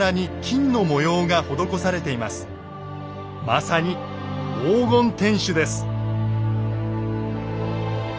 まさに黄金天守です。